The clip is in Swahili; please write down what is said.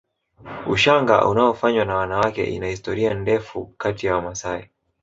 Ushanga unaofanywa na wanawake ina historia ndefu kati ya Wamasai